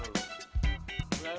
keluar keluar keluar keluar